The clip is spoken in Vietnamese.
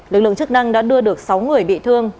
lực lượng chức năng đã đưa được sáu người bị thương